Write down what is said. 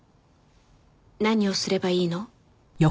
何をすればいいの？